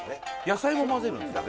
野菜も混ぜるんですか？